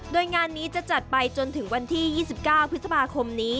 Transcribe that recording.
โดยงานนี้จะจัดไปจนถึงวันที่๒๙พฤษภาคมนี้